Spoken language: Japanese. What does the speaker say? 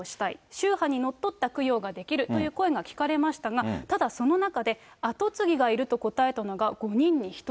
宗派にのっとった供養ができるという声が聞かれましたが、ただ、その中で、跡継ぎがいると答えたのが、５人に１人。